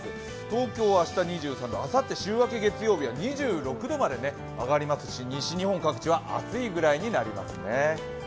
東京は明日２３度、あさって週明け月曜日は２６度まで上がりますので西日本各地は暑いぐらいになりますね。